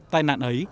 tai nạn ấy